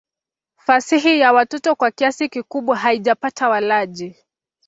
Fasihi ya watoto kwa kiasi kikubwa haijapata walaji.